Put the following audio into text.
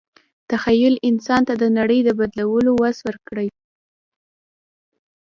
تخیل انسان ته د نړۍ د بدلولو وس ورکړی.